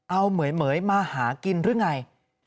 เอาเหมือยมาหากินหรือไง